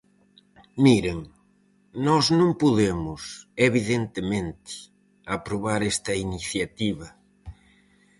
Miren, nós non podemos, evidentemente, aprobar esta iniciativa.